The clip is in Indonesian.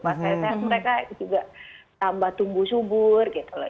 pas saya sehat mereka juga tambah tumbuh subur gitu loh